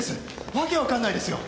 訳わかんないですよ。